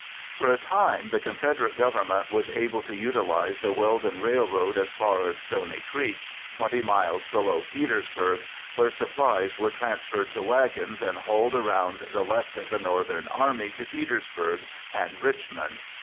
For a time the Confederate government was able to utilize the Weldon Railroad as far as Stony Creek, 20 miles below Petersburg, where supplies were transferred to wagons and hauled around the left of the Northern army to Petersburg and Richmond.